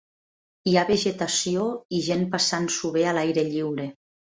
Hi ha vegetació i gent passant-s'ho bé a l'aire lliure